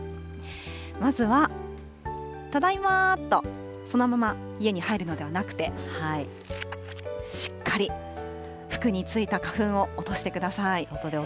まずは、ただいまと、そのまま家に入るのではなくて、しっかり服についた花粉を落としてください。